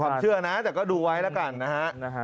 เชื่อนะแต่ก็ดูไว้แล้วกันนะฮะ